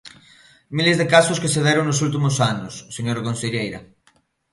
Miles de casos que se deron nos últimos anos, señora conselleira.